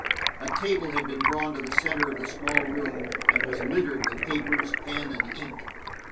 A table had been drawn to the center of the small room, and was littered with papers, pen and ink.